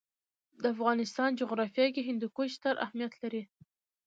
د افغانستان جغرافیه کې هندوکش ستر اهمیت لري.